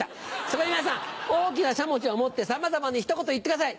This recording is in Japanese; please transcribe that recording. そこで皆さん大きなしゃもじを持ってさまざまにひと言言ってください。